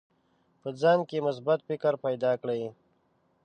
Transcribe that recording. په ځان کې مثبت فکر پیدا کړئ.